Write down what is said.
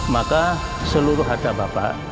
maka seluruh harta bapak